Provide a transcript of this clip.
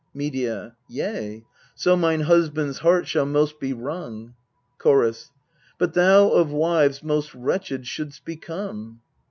Medea. Yea : so mine husband's heart shall most be wrung. Chorus. But thou of wives most wretched shouldst become.